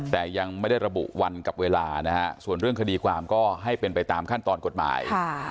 แต่ยังไม่ได้ระบุวันกับเวลานะฮะส่วนเรื่องคดีความก็ให้เป็นไปตามขั้นตอนกฎหมาย